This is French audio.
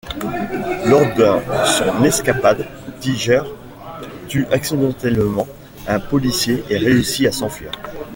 Lors de son escapade, Tiger tue accidentellement un policier et réussi à s'enfuir.